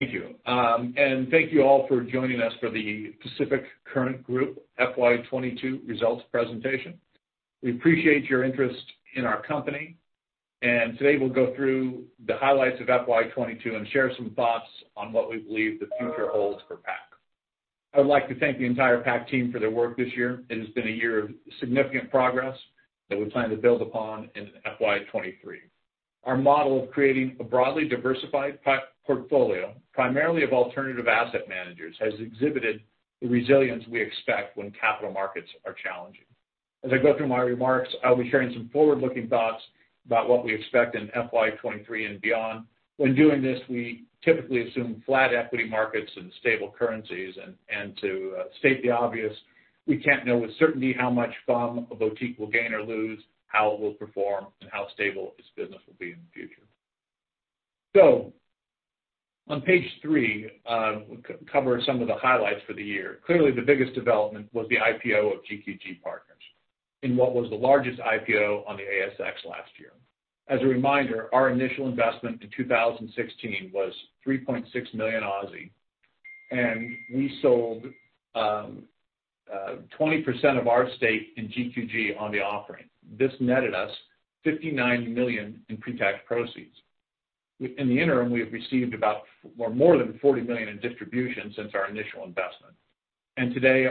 Thank you. And thank you all for joining us for the Pacific Current Group FY 2022 Results Presentation. We appreciate your interest in our company, and today we'll go through the highlights of FY 2022 and share some thoughts on what we believe the future holds for PAC. I would like to thank the entire PAC team for their work this year. It has been a year of significant progress that we plan to build upon in FY 2023. Our model of creating a broadly diversified portfolio, primarily of alternative asset managers, has exhibited the resilience we expect when capital markets are challenging. As I go through my remarks, I'll be sharing some forward-looking thoughts about what we expect in FY 2023 and beyond. When doing this, we typically assume flat equity markets and stable currencies. To state the obvious, we can't know with certainty how much FUM, a boutique will gain or lose, how it will perform, and how stable this business will be in the future. On page 3, we cover some of the highlights for the year. Clearly, the biggest development was the IPO of GQG Partners in what was the largest IPO on the ASX last year. As a reminder, our initial investment in 2016 was 3.6 million, and we sold 20% of our stake in GQG on the offering. This netted us AUD 59 million in pre-tax proceeds. In the interim, we have received about or more than 40 million in distribution since our initial investment. Today's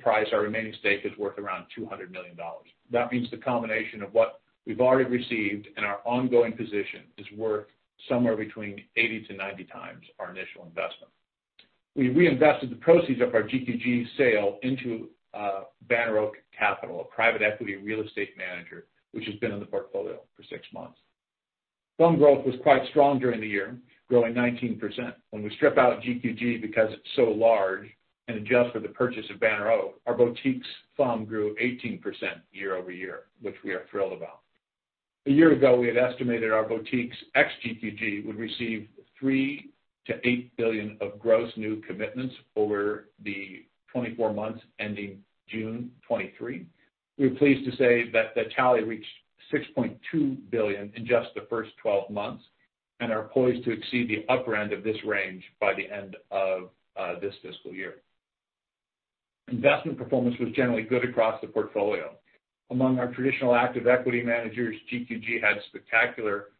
price, our remaining stake is worth around 200 million dollars. That means the combination of what we've already received and our ongoing position is worth somewhere between 80-90 times our initial investment. We reinvested the proceeds of our GQG sale into Banner Oak Capital Partners, a private equity real estate manager, which has been in the portfolio for six months. FUM growth was quite strong during the year, growing 19%. When we strip out GQG because it's so large and adjust for the purchase of Banner Oak, our boutiques FUM grew 18% year-over-year, which we are thrilled about. A year ago, we had estimated our boutiques ex-GQG would receive 3 billion-8 billion of gross new commitments over the 24 months ending June 2023. We're pleased to say that the tally reached 6.2 billion in just the first 12 months and are poised to exceed the upper end of this range by the end of this fiscal year. Investment performance was generally good across the portfolio. Among our traditional active equity managers, GQG had spectacular results.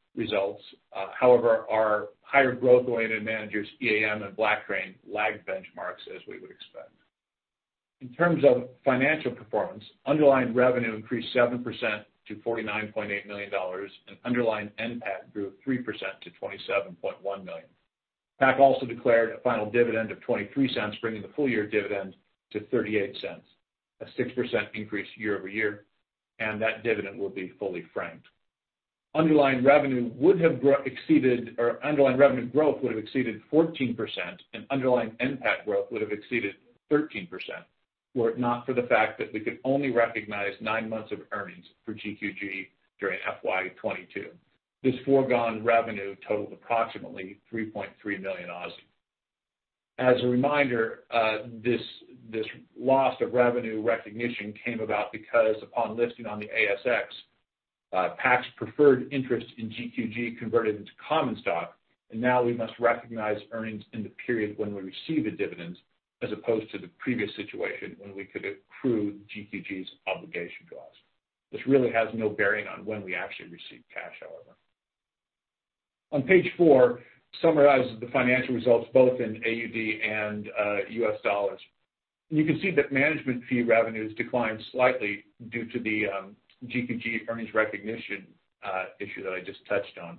However, our higher growth-oriented managers, EAM and BlackRock, lagged benchmarks as we would expect. In terms of financial performance, underlying revenue increased 7% to 49.8 million dollars, and underlying NPAT grew 3% to 27.1 million. PAC also declared a final dividend of 0.23, bringing the full year dividend to 0.38, a 6% increase year-over-year, and that dividend will be fully franked. Underlying revenue would have exceeded or underlying revenue growth would have exceeded 14% and underlying NPAT growth would have exceeded 13%, were it not for the fact that we could only recognize nine months of earnings for GQG during FY 2022. This foregone revenue totaled approximately 3.3 million. As a reminder, this loss of revenue recognition came about because upon listing on the ASX, PAC's preferred interest in GQG converted into common stock, and now we must recognize earnings in the period when we receive the dividends as opposed to the previous situation when we could accrue GQG's obligation to us. This really has no bearing on when we actually receive cash, however. Page 4 summarizes the financial results both in AUD and U.S. dollars. You can see that management fee revenues declined slightly due to the GQG earnings recognition issue that I just touched on.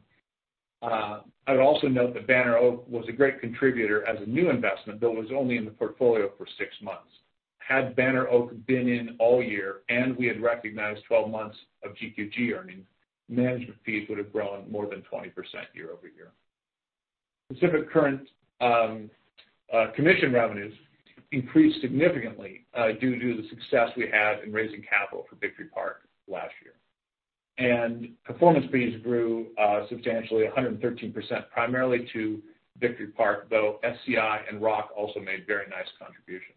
I would also note that Banner Oak was a great contributor as a new investment, though it was only in the portfolio for six months. Had Banner Oak been in all year and we had recognized 12 months of GQG earnings, management fees would have grown more than 20% year-over-year. Pacific Current commission revenues increased significantly due to the success we had in raising capital for Victory Park last year. Performance fees grew substantially 113%, primarily to Victory Park, though FCI and Roc also made very nice contributions.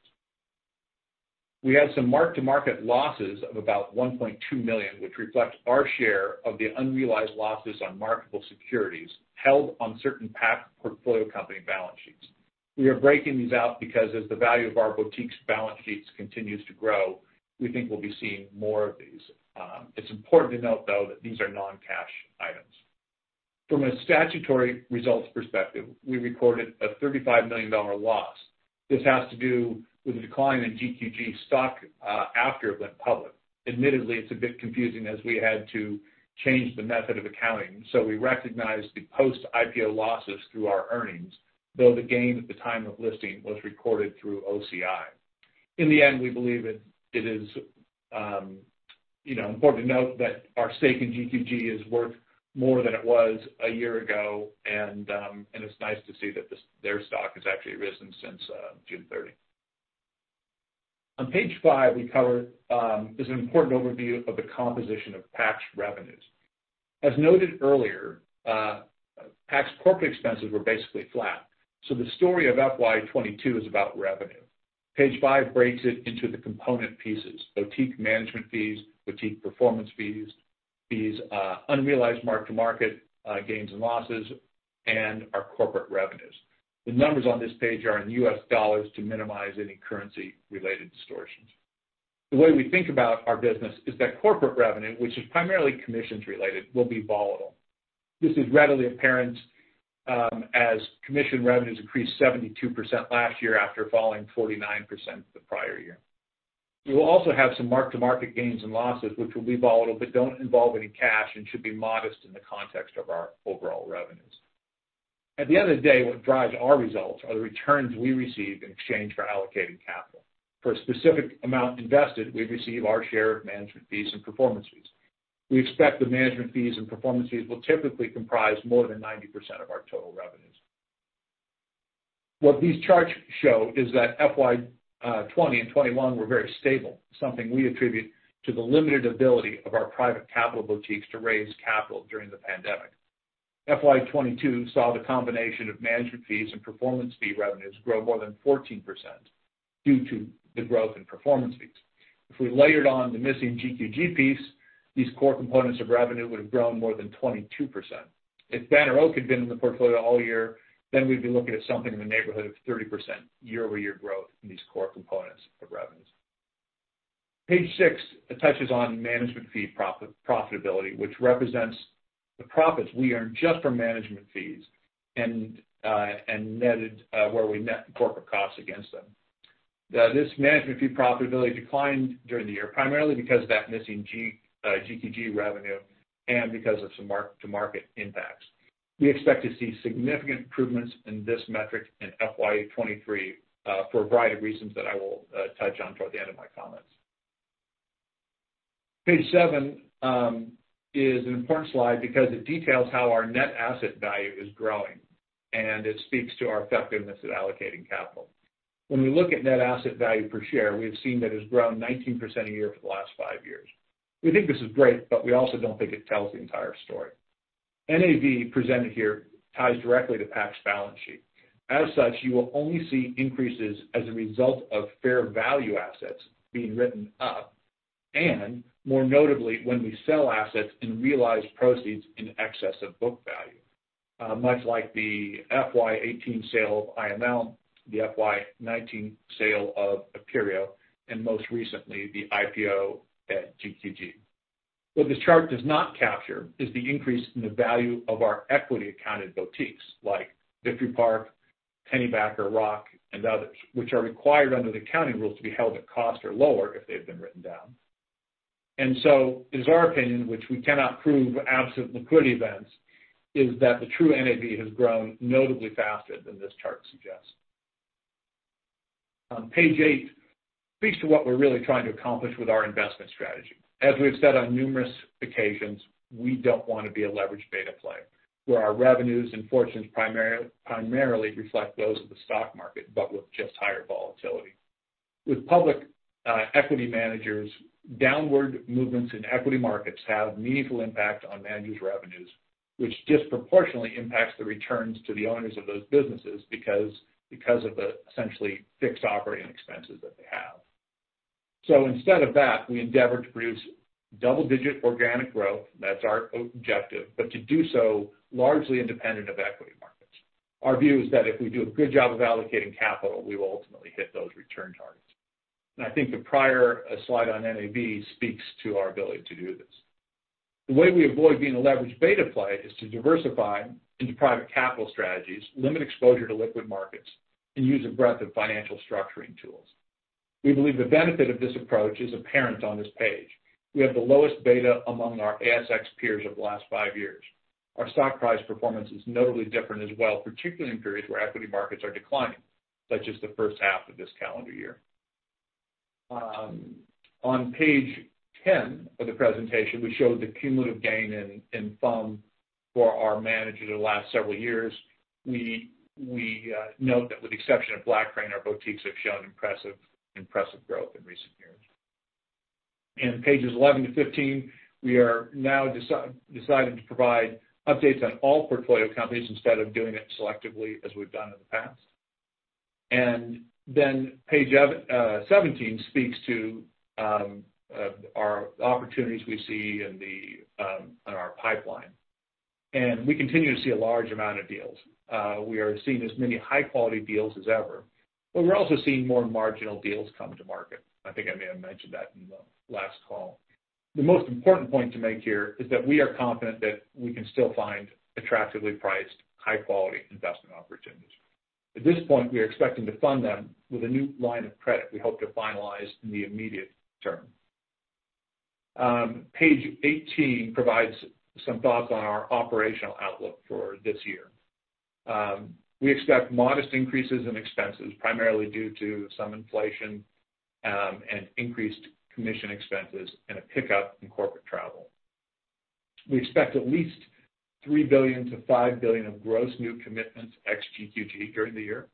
We had some mark-to-market losses of about 1.2 million, which reflect our share of the unrealized losses on marketable securities held on certain PAC portfolio company balance sheets. We are breaking these out because as the value of our boutiques' balance sheets continues to grow, we think we'll be seeing more of these. It's important to note, though, that these are non-cash items. From a statutory results perspective, we recorded a 35 million dollar loss. This has to do with the decline in GQG stock after it went public. Admittedly, it's a bit confusing as we had to change the method of accounting, so we recognized the post-IPO losses through our earnings, though the gain at the time of listing was recorded through OCI. In the end, we believe it is, you know, important to note that our stake in GQG is worth more than it was a year ago and it's nice to see that their stock has actually risen since June 30. On page 5, we cover. There's an important overview of the composition of PAC's revenues. As noted earlier, PAC's corporate expenses were basically flat, so the story of FY 2022 is about revenue. Page 5 breaks it into the component pieces, boutique management fees, boutique performance fees, these unrealized mark-to-market gains and losses and our corporate revenues. The numbers on this page are in U.S. dollars to minimize any currency-related distortions. The way we think about our business is that corporate revenue, which is primarily commissions related, will be volatile. This is readily apparent as commission revenues increased 72% last year after falling 49% the prior year. We will also have some mark-to-market gains and losses which will be volatile, but don't involve any cash and should be modest in the context of our overall revenues. At the end of the day, what drives our results are the returns we receive in exchange for allocating capital. For a specific amount invested, we receive our share of management fees and performance fees. We expect the management fees and performance fees will typically comprise more than 90% of our total revenues. What these charts show is that FY 2020 and 2021 were very stable, something we attribute to the limited ability of our private capital boutiques to raise capital during the pandemic. FY 2022 saw the combination of management fees and performance fee revenues grow more than 14% due to the growth in performance fees. If we layered on the missing GQG piece, these core components of revenue would have grown more than 22%. If Banner Oak had been in the portfolio all year, then we'd be looking at something in the neighborhood of 30% year-over-year growth in these core components of revenues. Page 6 touches on management fee profitability, which represents the profits we earn just from management fees and netted, where we net the corporate costs against them. This management fee profitability declined during the year, primarily because of that missing GQG revenue and because of some mark-to-market impacts. We expect to see significant improvements in this metric in FY 2023 for a variety of reasons that I will touch on toward the end of my comments. Page 7 is an important slide because it details how our net asset value is growing, and it speaks to our effectiveness at allocating capital. When we look at net asset value per share, we have seen that it has grown 19% a year for the last five years. We think this is great, but we also don't think it tells the entire story. NAV presented here ties directly to PAC balance sheet. As such, you will only see increases as a result of fair value assets being written up, and more notably, when we sell assets and realize proceeds in excess of book value. Much like the FY 2018 sale of IML, the FY 2019 sale of Aperio, and most recently, the IPO at GQG. What this chart does not capture is the increase in the value of our equity accounted boutiques like Victory Park, Pennybacker, Roc, and others, which are required under the accounting rules to be held at cost or lower if they've been written down. It is our opinion, which we cannot prove absent liquidity events, is that the true NAV has grown notably faster than this chart suggests. Page 8 speaks to what we're really trying to accomplish with our investment strategy. As we've said on numerous occasions, we don't wanna be a leveraged beta play where our revenues and fortunes primarily reflect those of the stock market, but with just higher volatility. With public equity managers, downward movements in equity markets have meaningful impact on managers' revenues, which disproportionately impacts the returns to the owners of those businesses because of the essentially fixed operating expenses that they have. Instead of that, we endeavor to produce double-digit organic growth, that's our objective, but to do so largely independent of equity markets. Our view is that if we do a good job of allocating capital, we will ultimately hit those return targets. I think the prior slide on NAV speaks to our ability to do this. The way we avoid being a leveraged beta play is to diversify into private capital strategies, limit exposure to liquid markets, and use a breadth of financial structuring tools. We believe the benefit of this approach is apparent on this page. We have the lowest beta among our ASX peers over the last five years. Our stock price performance is notably different as well, particularly in periods where equity markets are declining, such as the first half of this calendar year. On page 10 of the presentation, we showed the cumulative gain in FUM for our managers the last several years. We note that with the exception of Blackcrane, our boutiques have shown impressive growth in recent years. In pages 11 to 15, we have now decided to provide updates on all portfolio companies instead of doing it selectively as we've done in the past. Page 17 speaks to our opportunities we see in our pipeline. We continue to see a large amount of deals. We are seeing as many high-quality deals as ever, but we're also seeing more marginal deals come to market. I think I may have mentioned that in the last call. The most important point to make here is that we are confident that we can still find attractively priced, high-quality investment opportunities. At this point, we are expecting to fund them with a new line of credit we hope to finalize in the immediate term. Page 18 provides some thoughts on our operational outlook for this year. We expect modest increases in expenses, primarily due to some inflation, and increased commission expenses and a pickup in corporate travel. We expect at least 3 billion-5 billion of gross new commitments ex GQG during the year.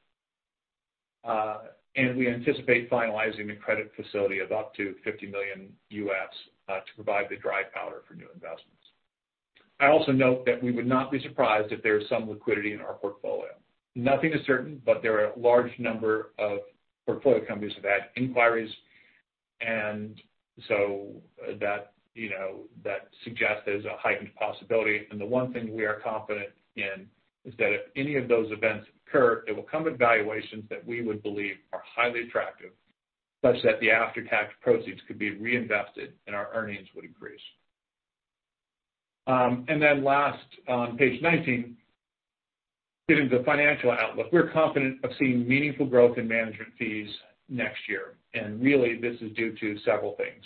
We anticipate finalizing the credit facility of up to $50 million to provide the dry powder for new investments. I also note that we would not be surprised if there is some liquidity in our portfolio. Nothing is certain, but there are a large number of portfolio companies that have had inquiries. So that, you know, that suggests there's a heightened possibility. The one thing we are confident in is that if any of those events occur, it will come at valuations that we would believe are highly attractive, such that the after-tax proceeds could be reinvested and our earnings would increase. Then last, on page 19, getting to financial outlook. We're confident of seeing meaningful growth in management fees next year. Really, this is due to several things.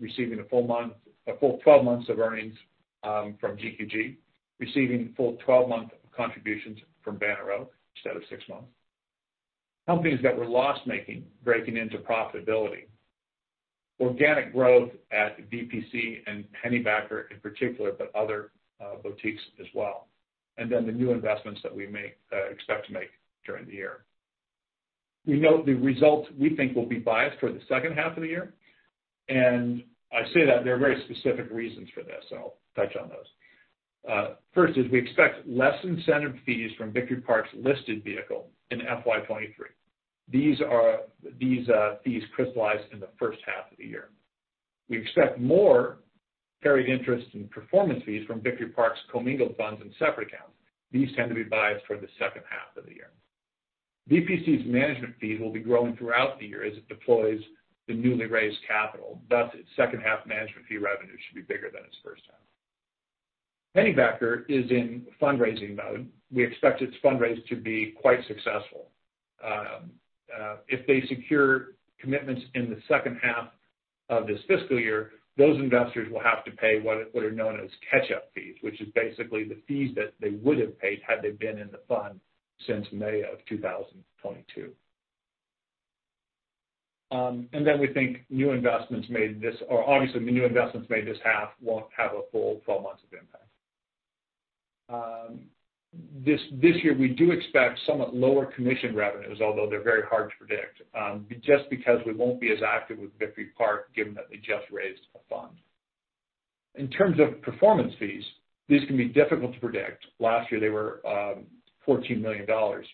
Receiving a full 12 months of earnings from GQG, receiving full 12-month contributions from Banner Oak instead of 6 months. Companies that were loss-making breaking into profitability. Organic growth at BPC and Pennybacker in particular, but other boutiques as well. Then the new investments that we make, expect to make during the year. We note the results we think will be biased for the second half of the year, and I say that there are very specific reasons for this, so I'll touch on those. First is we expect less incentive fees from Victory Park's listed vehicle in FY23. These are fees crystallized in the first half of the year. We expect more carried interest and performance fees from Victory Park's commingled funds and separate accounts. These tend to be biased toward the second half of the year. BPC's management fee will be growing throughout the year as it deploys the newly raised capital, thus its second half management fee revenue should be bigger than its first half. Pennybacker is in fundraising mode. We expect its fundraise to be quite successful. If they secure commitments in the second half of this fiscal year, those investors will have to pay what are known as catch-up fees, which is basically the fees that they would have paid had they been in the fund since May of 2022. We think or obviously the new investments made this half won't have a full 12 months of impact. This year we do expect somewhat lower commission revenues, although they're very hard to predict, just because we won't be as active with Victory Park given that they just raised a fund. In terms of performance fees, these can be difficult to predict. Last year, they were 14 million dollars.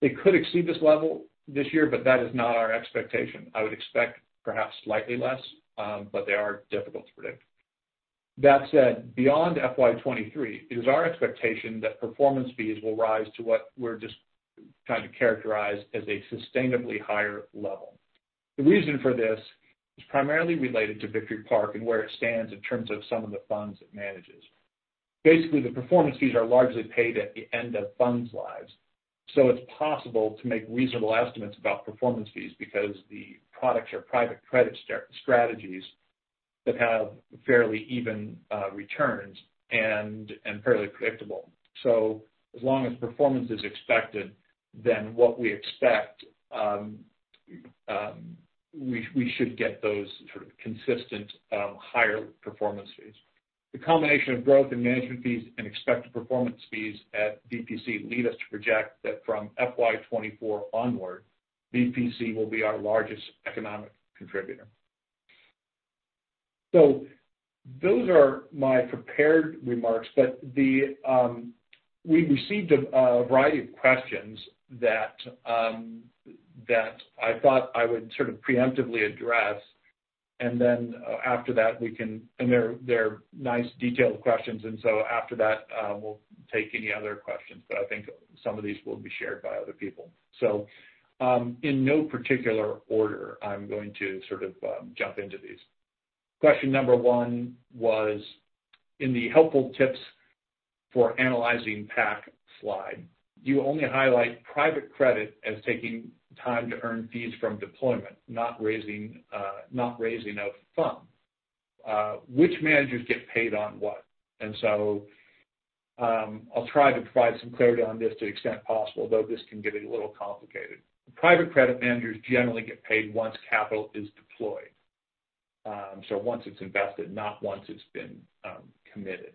They could exceed this level this year, but that is not our expectation. I would expect perhaps slightly less, but they are difficult to predict. That said, beyond FY 2023, it is our expectation that performance fees will rise to what we're just trying to characterize as a sustainably higher level. The reason for this is primarily related to Victory Park and where it stands in terms of some of the funds it manages. Basically, the performance fees are largely paid at the end of funds lives. It's possible to make reasonable estimates about performance fees because the products are private credit strategies that have fairly even returns and fairly predictable. As long as performance is expected, then what we expect, we should get those sort of consistent higher performance fees. The combination of growth in management fees and expected performance fees at VPC lead us to project that from FY24 onward, VPC will be our largest economic contributor. Those are my prepared remarks, but we received a variety of questions that I thought I would sort of preemptively address. Then after that, we can. They're nice detailed questions. After that, we'll take any other questions, but I think some of these will be shared by other people. In no particular order, I'm going to sort of jump into these. Question number one was, in the helpful tips for analyzing PAC slide, you only highlight private credit as taking time to earn fees from deployment, not raising a fund. Which managers get paid on what? I'll try to provide some clarity on this to the extent possible, although this can get a little complicated. Private credit managers generally get paid once capital is deployed. Once it's invested, not once it's been committed.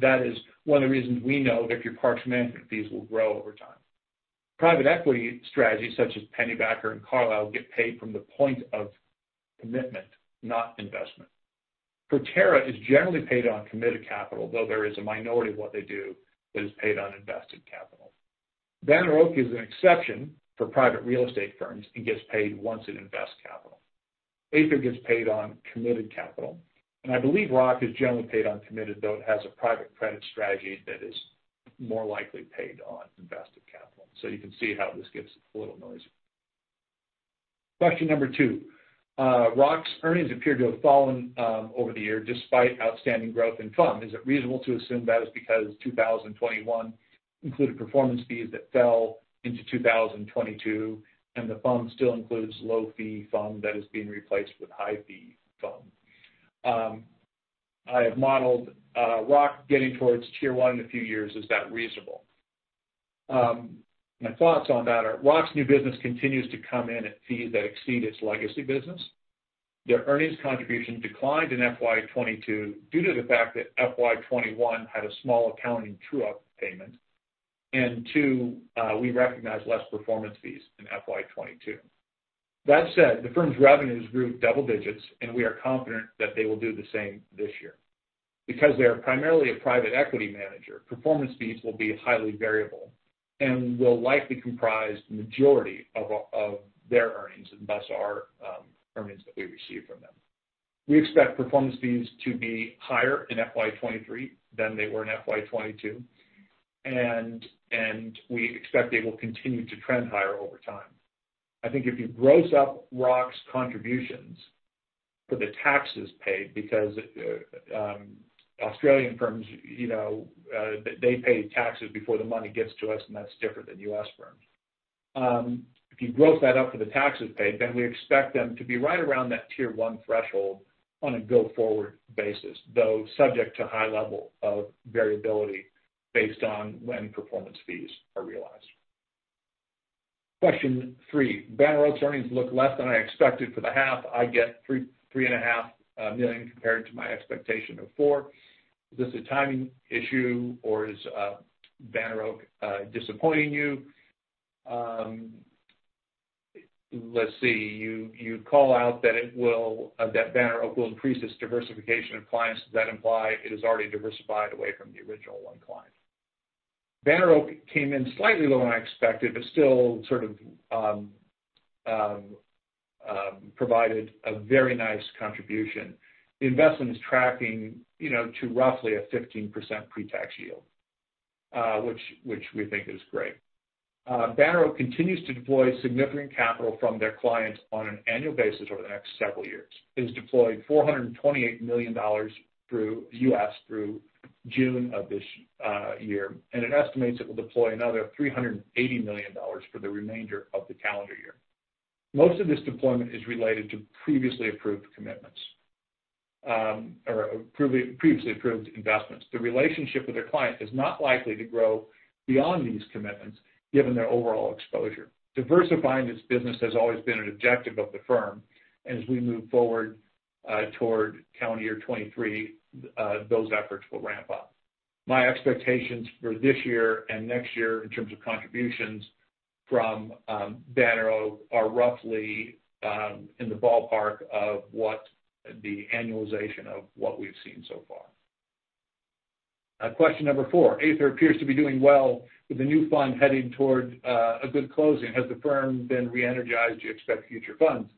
That is one of the reasons we know Victory Park's management fees will grow over time. Private equity strategies such as Pennybacker and Carlisle get paid from the point of commitment, not investment. Forterra is generally paid on committed capital, though there is a minority of what they do that is paid on invested capital. Banner Oak is an exception for private real estate firms and gets paid once it invests capital. Uncertain gets paid on committed capital. I believe Roc is generally paid on committed, though it has a private credit strategy that is more likely paid on invested capital. You can see how this gets a little noisy. Question number two, Roc's earnings appear to have fallen over the year despite outstanding growth in fund. Is it reasonable to assume that is because 2021 included performance fees that fell into 2022, and the fund still includes low-fee fund that is being replaced with high-fee fund? I have modeled Roc getting towards Tier 1 in a few years. Is that reasonable? My thoughts on that are Roc's new business continues to come in at fees that exceed its legacy business. Their earnings contribution declined in FY 2022 due to the fact that FY 2021 had a small accounting true-up payment. Two, we recognized less performance fees in FY 2022. That said, the firm's revenues grew double digits, and we are confident that they will do the same this year. Because they are primarily a private equity manager, performance fees will be highly variable and will likely comprise the majority of their earnings, and thus our earnings that we receive from them. We expect performance fees to be higher in FY 2023 than they were in FY 2022, and we expect they will continue to trend higher over time. I think if you gross up Roc's contributions for the taxes paid, because Australian firms, you know, they pay taxes before the money gets to us, and that's different than U.S. firms. If you gross that up for the taxes paid, then we expect them to be right around that Tier 1 threshold on a go-forward basis, though subject to high level of variability based on when performance fees are realized. Question 3. Banner Oak's earnings look less than I expected for the half. I get 3.3 and a half million compared to my expectation of 4 million. Is this a timing issue or is Banner Oak disappointing you? Let's see, you call out that Banner Oak will increase its diversification of clients. Does that imply it is already diversified away from the original one client? Banner Oak came in slightly lower than I expected, but still sort of provided a very nice contribution. The investment is tracking, you know, to roughly a 15% pretax yield, which we think is great. Banner Oak continues to deploy significant capital from their clients on an annual basis over the next several years. It has deployed $428 million through June of this year, and it estimates it will deploy another $380 million for the remainder of the calendar year. Most of this deployment is related to previously approved commitments or previously approved investments. The relationship with their client is not likely to grow beyond these commitments given their overall exposure. Diversifying this business has always been an objective of the firm, and as we move forward toward calendar year 2023, those efforts will ramp up. My expectations for this year and next year in terms of contributions from Banner Oak are roughly in the ballpark of what the annualization of what we've seen so far. Question number 4. Aether appears to be doing well, with the new fund heading toward a good closing. Has the firm been re-energized? Do you expect future funds?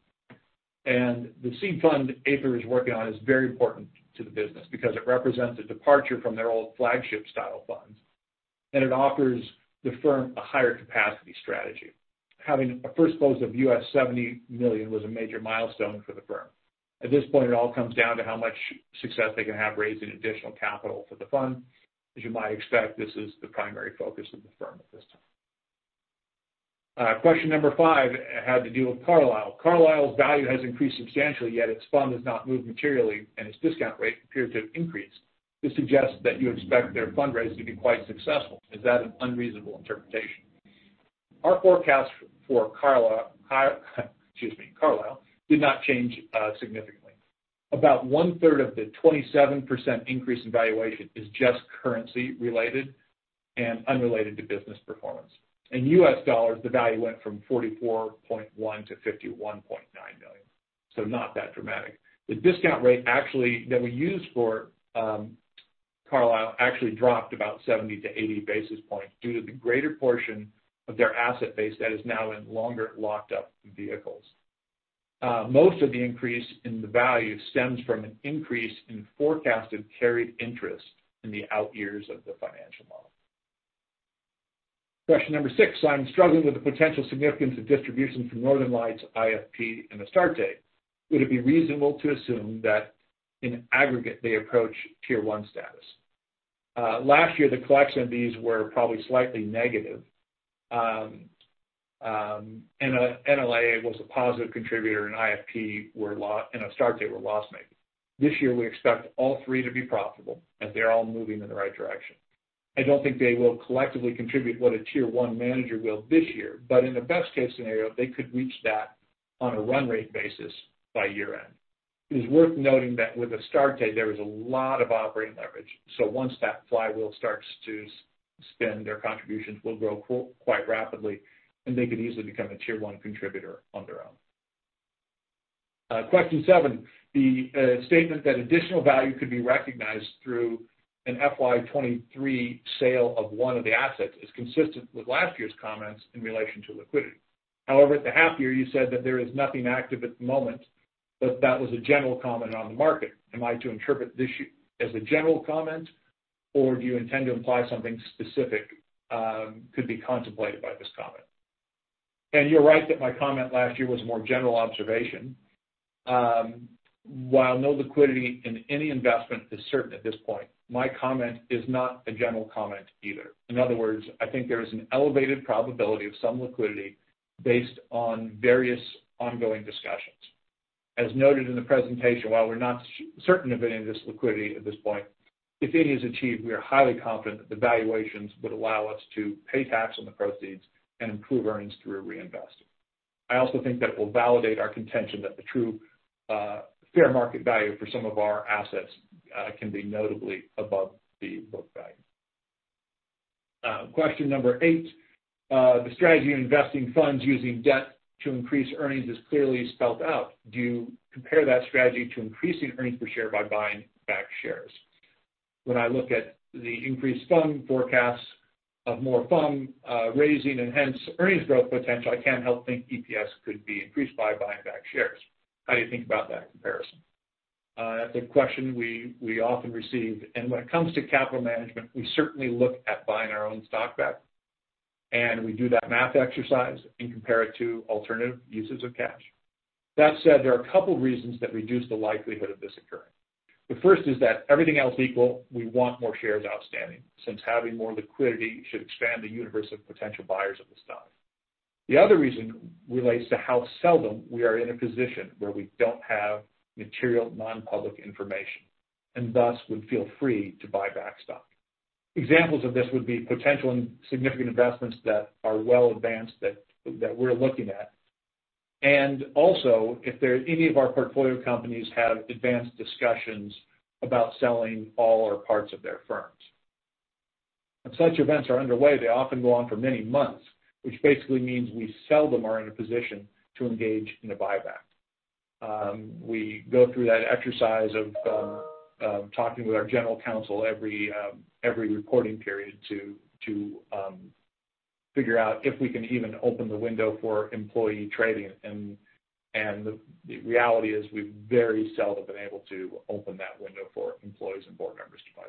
The seed fund Aether is working on is very important to the business because it represents a departure from their old flagship style funds, and it offers the firm a higher capacity strategy. Having a first close of $70 million was a major milestone for the firm. At this point, it all comes down to how much success they can have raising additional capital for the fund. As you might expect, this is the primary focus of the firm at this time. Question number five had to do with Carlisle. Carlisle's value has increased substantially, yet its fund has not moved materially and its discount rate appeared to increase. This suggests that you expect their fundraise to be quite successful. Is that an unreasonable interpretation? Our forecast for Carlisle did not change significantly. About one-third of the 27% increase in valuation is just currency related and unrelated to business performance. In U.S. dollars, the value went from $44.1 million to $51.9 million, so not that dramatic. The discount rate actually that we use for Carlisle actually dropped about 70-80 basis points due to the greater portion of their asset base that is now in longer locked up vehicles. Most of the increase in the value stems from an increase in forecasted carried interest in the out years of the financial model. Question number 6. I'm struggling with the potential significance of distribution from Northern Lights to IFP and Astarte. Would it be reasonable to assume that in aggregate they approach Tier 1 status? Last year, the collection of these were probably slightly negative. NLA was a positive contributor and IFP were loss-making and Astarte were loss-making. This year we expect all three to be profitable, and they're all moving in the right direction. I don't think they will collectively contribute what a Tier 1 manager will this year, but in the best-case scenario, they could reach that on a run rate basis by year-end. It is worth noting that with Astarte there is a lot of operating leverage, so once that flywheel starts to spin, their contributions will grow quite rapidly, and they could easily become a Tier 1 contributor on their own. Question 7. The statement that additional value could be recognized through an FY 2023 sale of one of the assets is consistent with last year's comments in relation to liquidity. However, at the half year you said that there is nothing active at the moment, but that was a general comment on the market. Am I to interpret this as a general comment, or do you intend to imply something specific could be contemplated by this comment? You're right that my comment last year was more general observation. While no liquidity in any investment is certain at this point, my comment is not a general comment either. In other words, I think there is an elevated probability of some liquidity based on various ongoing discussions. As noted in the presentation, while we're not certain of any of this liquidity at this point, if any is achieved, we are highly confident that the valuations would allow us to pay tax on the proceeds and improve earnings through reinvest. I also think that will validate our contention that the true, fair market value for some of our assets, can be notably above the book value. Question number 8. The strategy of investing funds using debt to increase earnings is clearly spelled out. Do you compare that strategy to increasing earnings per share by buying back shares? When I look at the increased fund forecasts of more funds, raising and hence earnings growth potential, I can't help think EPS could be increased by buying back shares. How do you think about that comparison? That's a question we often receive. When it comes to capital management, we certainly look at buying our own stock back, and we do that math exercise and compare it to alternative uses of cash. That said, there are a couple reasons that reduce the likelihood of this occurring. The first is that everything else equal, we want more shares outstanding, since having more liquidity should expand the universe of potential buyers of the stock. The other reason relates to how seldom we are in a position where we don't have material non-public information, and thus would feel free to buy back stock. Examples of this would be potential and significant investments that are well advanced that we're looking at, and also if any of our portfolio companies have advanced discussions about selling all or parts of their firms. When such events are underway, they often go on for many months, which basically means we seldom are in a position to engage in a buyback. We go through that exercise of talking with our general counsel every reporting period to figure out if we can even open the window for employee trading. The reality is we've very seldom been able to open that window for employees and board members to buy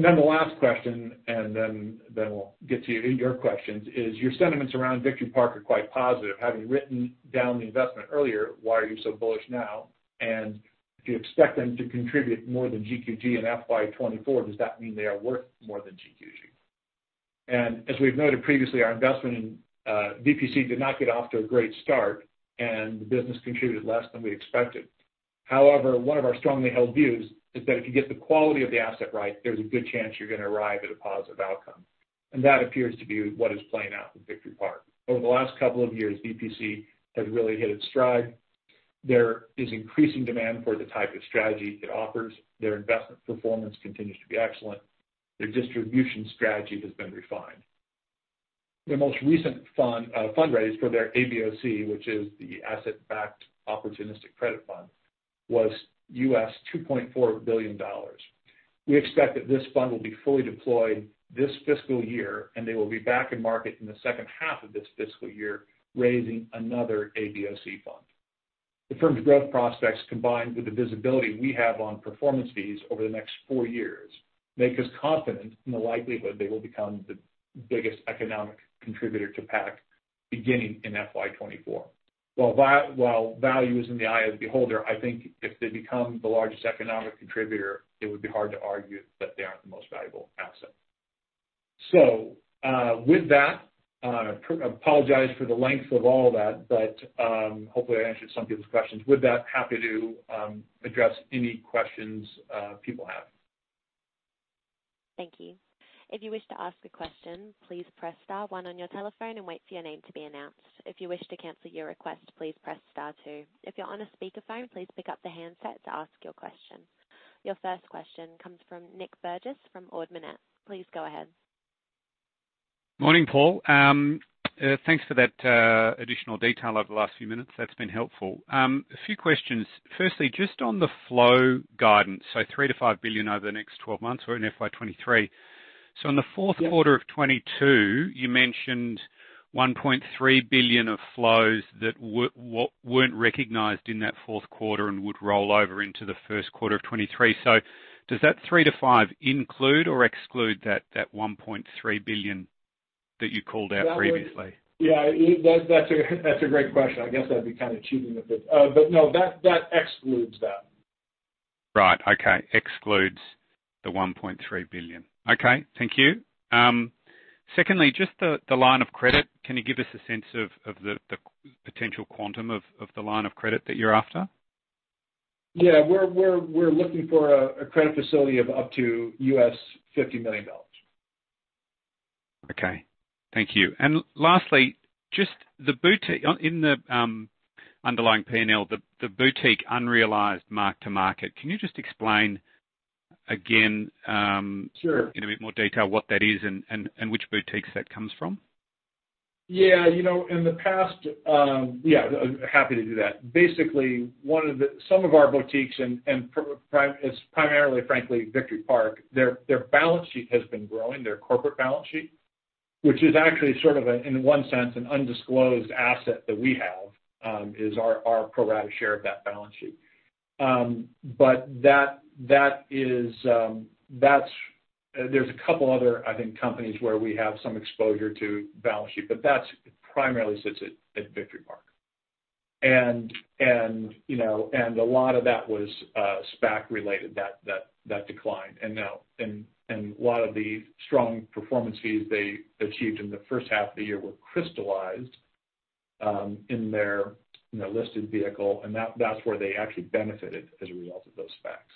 stock. The last question, then we'll get to your questions, is your sentiments around Victory Park are quite positive. Having written down the investment earlier, why are you so bullish now? If you expect them to contribute more than GQG in FY 2024, does that mean they are worth more than GQG? As we've noted previously, our investment in VPC did not get off to a great start, and the business contributed less than we expected. However, one of our strongly held views is that if you get the quality of the asset right, there's a good chance you're gonna arrive at a positive outcome. That appears to be what is playing out with Victory Park. Over the last couple of years, VPC has really hit its stride. There is increasing demand for the type of strategy it offers. Their investment performance continues to be excellent. Their distribution strategy has been refined. Their most recent fund, fundraise for their ABOC, which is the asset-backed opportunistic credit fund, was $2.4 billion. We expect that this fund will be fully deployed this fiscal year, and they will be back in market in the second half of this fiscal year, raising another ABOC fund. The firm's growth prospects, combined with the visibility we have on performance fees over the next four years, make us confident in the likelihood they will become the biggest economic contributor to PAC beginning in FY 2024. While value is in the eye of the beholder, I think if they become the largest economic contributor, it would be hard to argue that they aren't the most valuable asset. With that, I apologize for the length of all that, but hopefully, I answered some people's questions. With that, happy to address any questions people have. Thank you. If you wish to ask a question, please press star one on your telephone and wait for your name to be announced. If you wish to cancel your request, please press star two. If you're on a speaker phone, please pick up the handset to ask your question. Your first question comes from Nic Burgess from Ord Minnett. Please go ahead. Morning, Paul. Thanks for that additional detail over the last few minutes. That's been helpful. A few questions. Firstly, just on the flow guidance, 3 billion-5 billion over the next 12 months. We're in FY 2023. In the fourth quarter of 2022, you mentioned 1.3 billion of flows that weren't recognized in that fourth quarter and would roll over into the first quarter of 2023. Does that 3 billion-5 billion include or exclude that 1.3 billion that you called out previously? Yeah. That's a great question. I guess I'd be kind of cheating a bit. But no, that excludes that. Right. Okay. Excludes the 1.3 billion. Okay, thank you. Secondly, just the line of credit. Can you give us a sense of the potential quantum of the line of credit that you're after? Yeah. We're looking for a credit facility of up to $50 million. Okay. Thank you. Lastly, just the boutique unrealized mark to market in the underlying P&L. Can you just explain again? Sure. In a bit more detail what that is and which boutiques that comes from? Yeah. You know, in the past, yeah, happy to do that. Basically, some of our boutiques, it's primarily, frankly, Victory Park. Their balance sheet has been growing, their corporate balance sheet, which is actually sort of a, in one sense, an undisclosed asset that we have, is our pro rata share of that balance sheet. But that is, there's a couple other, I think, companies where we have some exposure to balance sheet, but that primarily sits at Victory Park. You know, and a lot of that was SPAC related, that declined. A lot of the strong performance fees they achieved in the first half of the year were crystallized in their listed vehicle, and that's where they actually benefited as a result of those SPACs.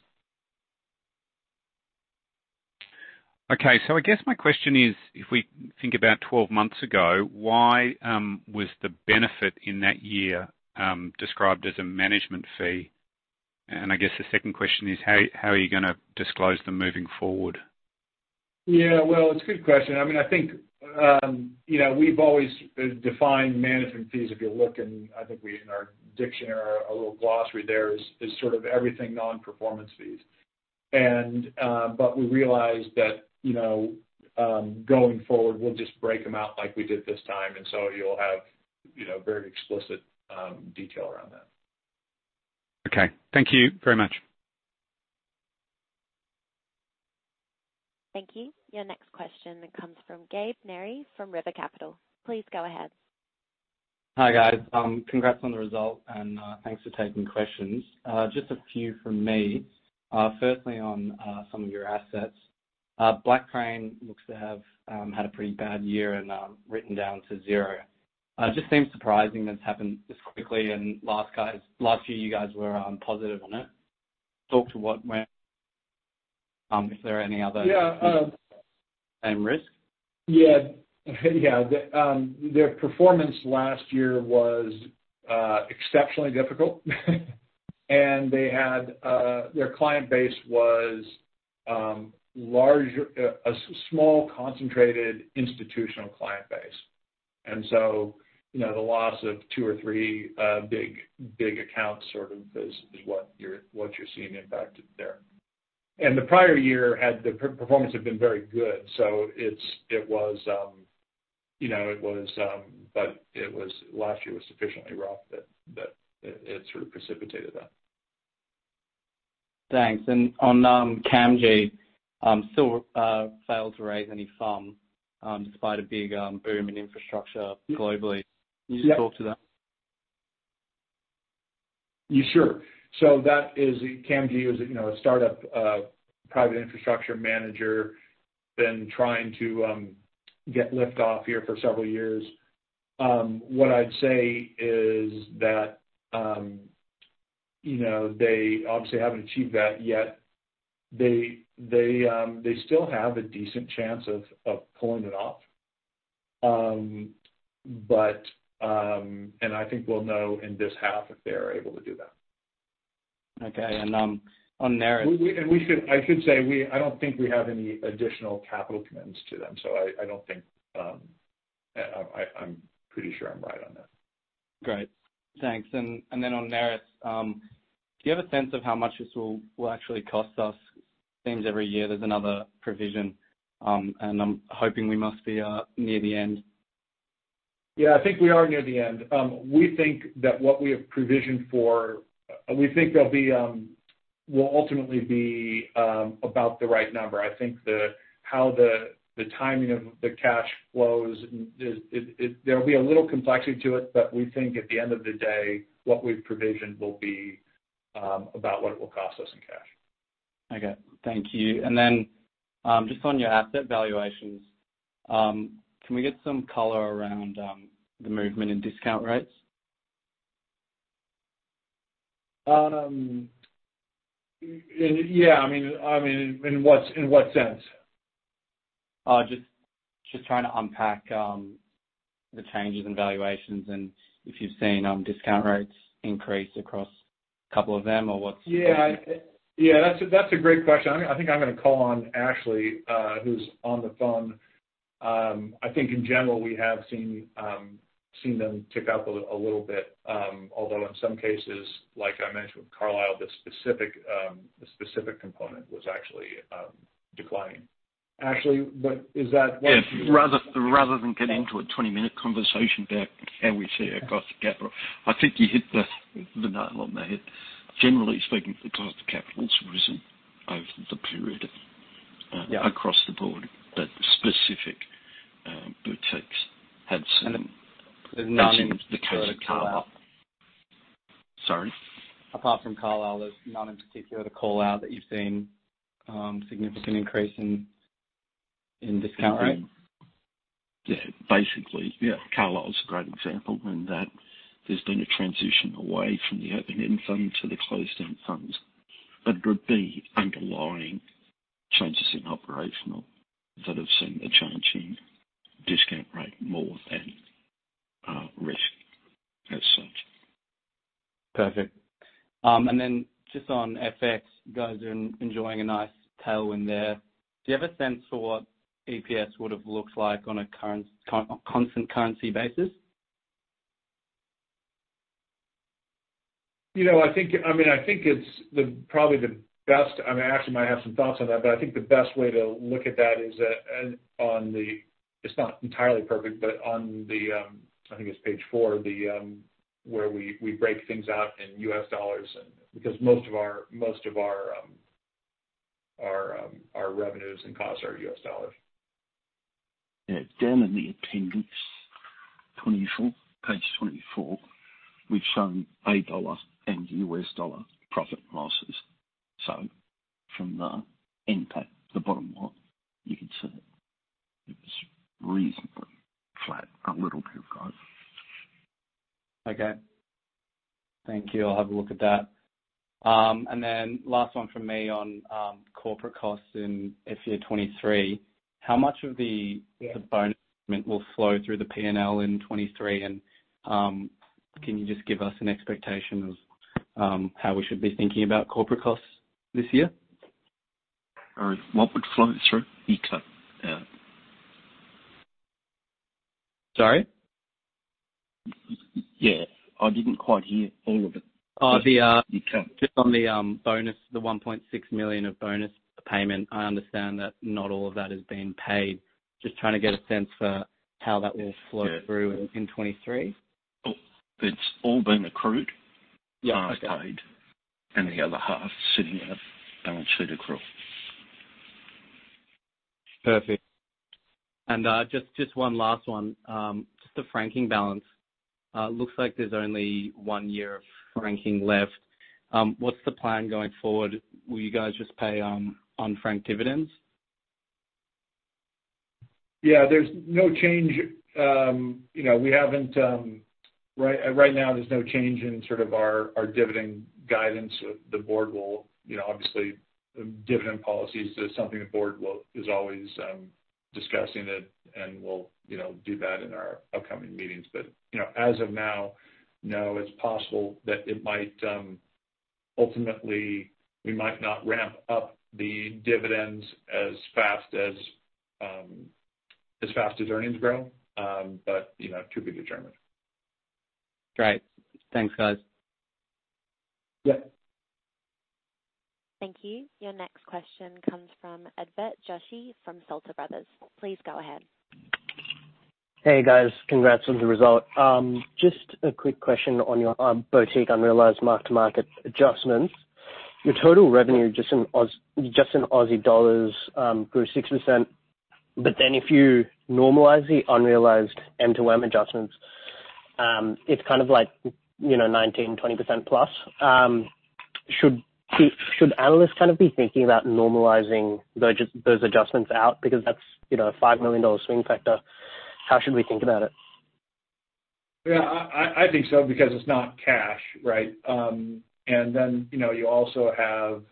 Okay. I guess my question is, if we think about 12 months ago, why was the benefit in that year described as a management fee? I guess the second question is how are you gonna disclose them moving forward? Yeah. Well, it's a good question. I mean, I think, you know, we've always defined management fees. I think, in our dictionary or our little glossary there is sort of everything non-performance fees. We realized that, you know, going forward, we'll just break them out like we did this time, and so you'll have, you know, very explicit detail around that. Okay. Thank you very much. Thank you. Your next question comes from Gabe Neri from River Capital. Please go ahead. Hi, guys. Congrats on the result and thanks for taking questions. Just a few from me. Firstly, on some of your assets. Blackcrane looks to have had a pretty bad year and written down to zero. It just seems surprising that it's happened this quickly, and last year you guys were positive on it. Talk to what went wrong. Is there any other. Yeah. Same risk? Their performance last year was exceptionally difficult. They had their client base was a small, concentrated institutional client base. You know, the loss of two or three big accounts sort of is what you're seeing impacted there. The prior year, the performance had been very good, so it was, you know, but last year was sufficiently rough that it sort of precipitated that. Thanks. On CAMG, still failed to raise any funds, despite a big boom in infrastructure globally. Yeah. Can you just talk to that? Yeah, sure. That is, CAMG is, you know, a startup private infrastructure manager been trying to get lift off here for several years. What I'd say is that, you know, they obviously haven't achieved that yet. They still have a decent chance of pulling it off, and I think we'll know in this half if they're able to do that. Okay. On Nereus. I should say I don't think we have any additional capital commitments to them. I'm pretty sure I'm right on that. Great. Thanks. Then on Nereus, do you have a sense of how much this will actually cost us? Seems every year there's another provision, and I'm hoping we must be near the end. Yeah. I think we are near the end. We think that what we have provisioned for will ultimately be about the right number. I think how the timing of the cash flows is. There'll be a little complexity to it, but we think at the end of the day, what we've provisioned will be about what it will cost us in cash. Okay. Thank you. Just on your asset valuations, can we get some color around the movement in discount rates? Yeah. I mean, in what sense? Just trying to unpack the changes in valuations and if you've seen discount rates increase across a couple of them or what's Yeah. Yeah. That's a great question. I mean, I think I'm gonna call on Ashley, who's on the phone. I think in general, we have seen them tick up a little bit. Although in some cases, like I mentioned with Carlisle, the specific component was actually declining. Ashley, but is that what. Yeah. Rather than get into a 20-minute conversation about how we see our cost of capital, I think you hit the nail on the head. Generally speaking, the cost of capital has risen over the period. Yeah Across the board, but specific boutiques had seen There's none in particular. Potentially the case with Carlisle. Sorry? Apart from Carlisle, there's none in particular to call out that you've seen, significant increase in discount rate? Yeah. Basically. Yeah. Carlisle is a great example in that there's been a transition away from the open-end funds to the closed-end funds. It would be underlying changes in operations that have seen a change in discount rate more than risk as such. Perfect. Just on FX, you guys are enjoying a nice tailwind there. Do you have a sense for what EPS would have looked like on a constant currency basis? You know, I think, I mean, I think it's probably the best. I mean, Ashley might have some thoughts on that, but I think the best way to look at that is, it's not entirely perfect, but on the, I think it's page four, where we break things out in U.S. dollars and because most of our revenues and costs are U.S. dollars. Yeah. Down in the appendix 24, page 24, we've shown A dollar and U.S. dollar profit margins. From the impact, the bottom line, you can see it was reasonably flat, a little bit growth. Okay. Thank you. I'll have a look at that. Last one from me on corporate costs in FY 2023. How much of the- Yeah The bonus will flow through the PNL in 2023? Can you just give us an expectation of how we should be thinking about corporate costs this year? All right. What would flow through? Eco. Yeah. Sorry. Yeah. I didn't quite hear all of it. Just on the bonus, the 1.6 million of bonus payment. I understand that not all of that is being paid. Just trying to get a sense for how that will flow. Yeah. through in 2023. Oh, it's all been accrued. Yeah. Okay. Half paid, and the other half sitting at balance sheet accrual. Perfect. Just one last one. Just the franking balance looks like there's only one year of franking left. What's the plan going forward? Will you guys just pay on frank dividends? Yeah, there's no change. You know, we haven't right now. There's no change in sort of our dividend guidance. The board will, you know, obviously. Dividend policy is something the board is always discussing it and will, you know, do that in our upcoming meetings. You know, as of now, no. It's possible that it might, ultimately, we might not ramp up the dividends as fast as earnings grow. You know, to be determined. Great. Thanks, guys. Yeah. Thank you. Your next question comes from Advait Joshi from Salter Brothers. Please go ahead. Hey, guys. Congrats on the result. Just a quick question on your boutique unrealized mark-to-market adjustments. Your total revenue, just in Aussie dollars, grew 6%. If you normalize the unrealized M2M adjustments, it's kind of like, you know, 19%-20% plus. Should analysts kind of be thinking about normalizing those adjustments out because that's, you know, a 5 million dollar swing factor. How should we think about it? Yeah, I think so, because it's not cash, right? You know, you also have,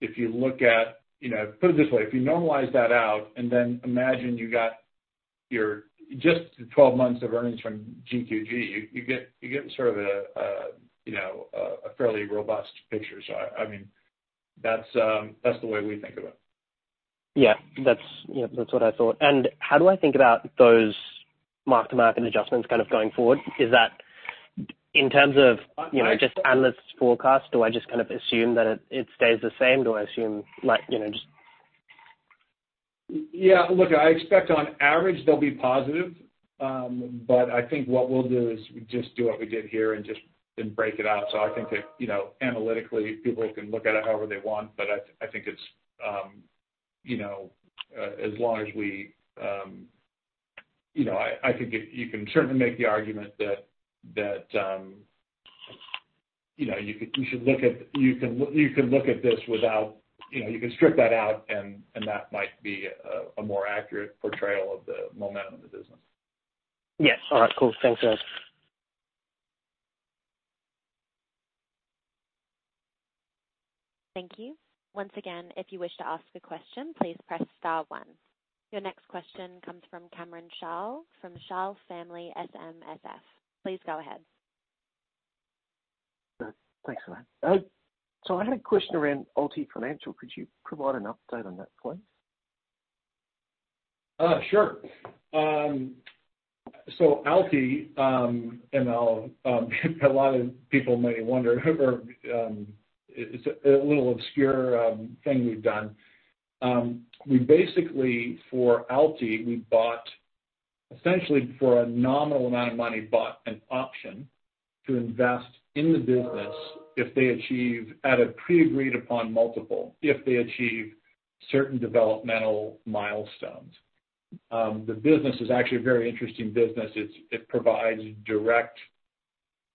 if you look at, you know. Put it this way, if you normalize that out and then imagine you got your just the 12 months of earnings from GQG, you get sort of a you know a fairly robust picture. I mean that's the way we think of it. Yeah, that's what I thought. How do I think about those mark-to-market adjustments kind of going forward? Is that in terms of- I- You know, just analyst forecast, do I just kind of assume that it stays the same? Do I assume, like, you know, just. Yeah, look, I expect on average they'll be positive. I think what we'll do is just do what we did here and just then break it out. I think that, you know, analytically, people can look at it however they want. I think you can certainly make the argument that you should look at this without, you know, you can strip that out and that might be a more accurate portrayal of the momentum of the business. Yes. All right, cool. Thanks, guys. Thank you. Once again, if you wish to ask a question, please press star one. Your next question comes from Cameron Schall from Schall Family SMSF. Please go ahead. Thanks for that. I had a question around AlTi Global. Could you provide an update on that, please? Sure. A lot of people may wonder or it's a little obscure thing we've done. We basically for AlTi bought essentially for a nominal amount of money an option to invest in the business if they achieve a pre-agreed upon multiple if they achieve certain developmental milestones. The business is actually a very interesting business. It provides direct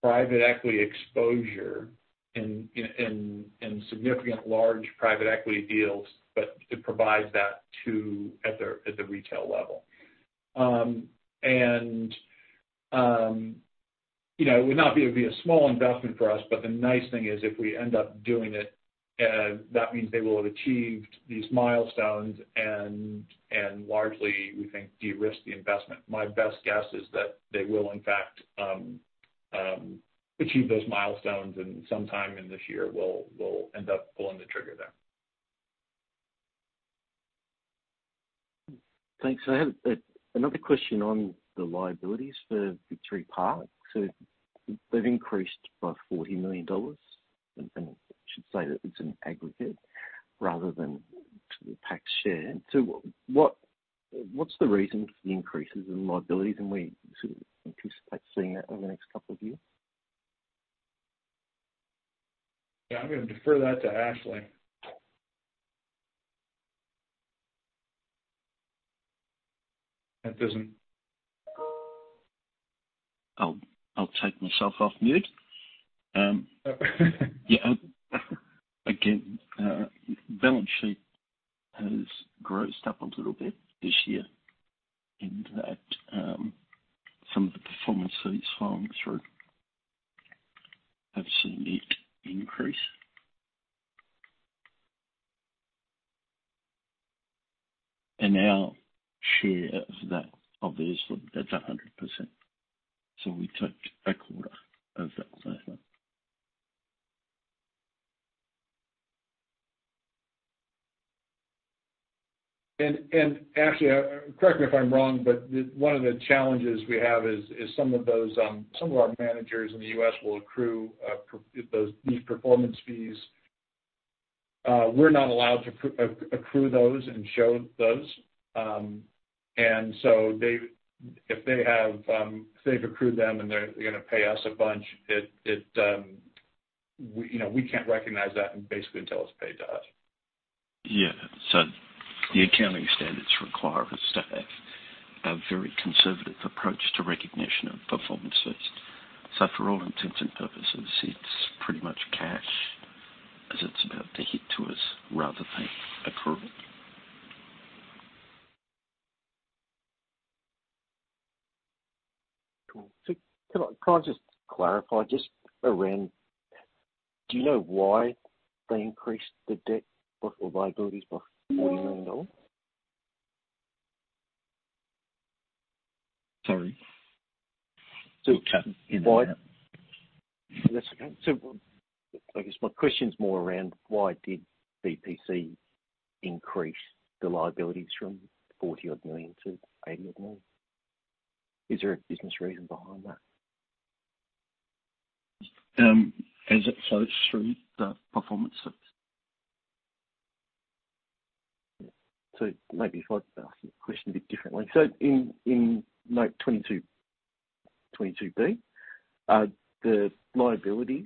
private equity exposure in significant large private equity deals but it provides that to the retail level. You know it would be a small investment for us but the nice thing is if we end up doing it that means they will have achieved these milestones and largely we think de-risk the investment. My best guess is that they will in fact achieve those milestones and sometime in this year we'll end up pulling the trigger there. Thanks. I have another question on the liabilities for Victory Park. They've increased by $40 million, and I should say that it's an aggregate rather than sort of tax share. What's the reason for the increases in liabilities, and we sort of anticipate seeing that over the next couple of years? Yeah, I'm gonna defer that to Ashley. Oh, I'll take myself off mute. Yeah. Again, balance sheet has grossed up a little bit this year in that, some of the performances following through. Absolutely increase. Our share of that, of this, that's 100%. We took a quarter of that. Actually, correct me if I'm wrong, but one of the challenges we have is some of our managers in the U.S. will accrue these performance fees. We're not allowed to accrue those and show those. If they have accrued them and they're gonna pay us a bunch, you know, we can't recognize that basically until it's paid to us. Yeah. The accounting standards require us to have a very conservative approach to recognition of performance fees. For all intents and purposes, it's pretty much cash as it's about to hit to us rather than accrual. Cool. Can I just clarify, just around do you know why they increased the debt or liabilities by AUD 40 million? Sorry. So- You cut in there. That's okay. I guess my question is more around why did VPC increase the liabilities from 40 odd million-AUD 80 odd million? Is there a business reason behind that? As it flows through the performance fees. Maybe if I'd ask the question a bit differently. In note 22, 22B, the liabilities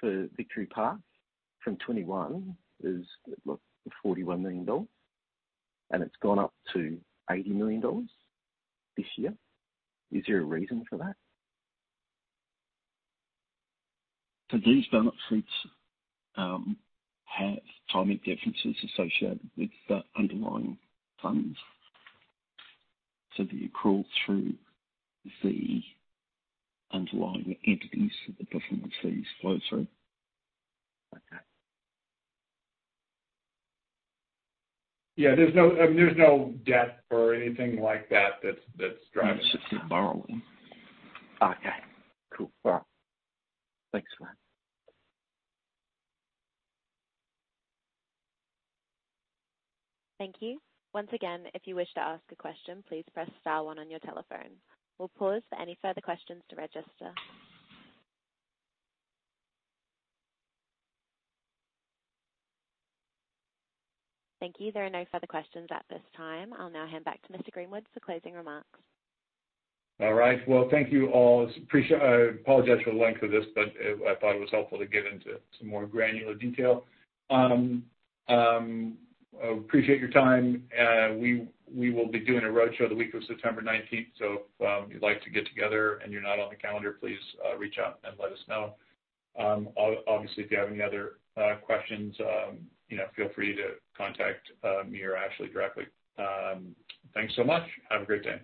for Victory Park from 2021 is like $41 million, and it's gone up to $80 million this year. Is there a reason for that? These benefits have timing differences associated with the underlying funds. The accrual through the underlying entities that the performance fees flow through. Okay. Yeah. I mean, there's no debt or anything like that that's driving- It's just the borrowing. Okay. Cool. Well, thanks for that. Thank you. Once again, if you wish to ask a question, please press star one on your telephone. We'll pause for any further questions to register. Thank you. There are no further questions at this time. I'll now hand back to Mr. Greenwood for closing remarks. All right. Well, thank you all. I apologize for the length of this, but I thought it was helpful to get into some more granular detail. I appreciate your time. We will be doing a roadshow the week of September 19th. If you'd like to get together and you're not on the calendar, please reach out and let us know. Obviously, if you have any other questions, you know, feel free to contact me or Ashley directly. Thanks so much. Have a great day.